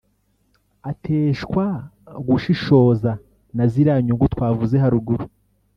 ateshwa gushishoza na ziriya nyungu twavuze haruguru